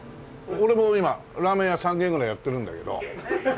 俺も今ラーメン屋３軒ぐらいやってるんだけど。